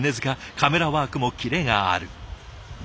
カメラワークもキレがある。